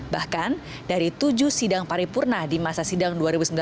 bahkan dari tujuh sidang paripurna di masa sidang dua ribu sembilan belas